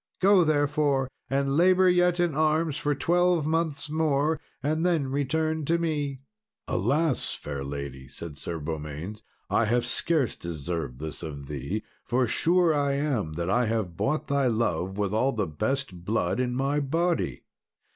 Go, therefore, and labour yet in arms for twelve months more, and then return to me." "Alas! fair lady," said Sir Beaumains, "I have scarce deserved this of thee, for sure I am that I have bought thy love with all the best blood in my body."